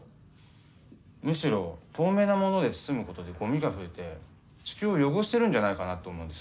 むしろ透明なもので包むことでゴミが増えて地球を汚してるんじゃないかなって思うんです。